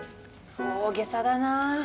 大げさだなあ。